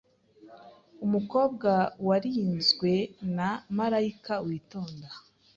umukobwa warinzwe na Malayika witonda